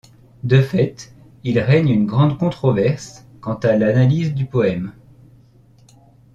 De fait, il règne une grande controverse quant à l'analyse du poème.